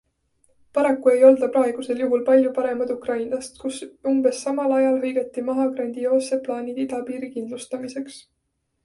Paraku ei olda praegusel juhul palju paremad Ukrainast, kus umbes samal ajal hõigati maha grandioossed plaanid idapiiri kindlustamiseks.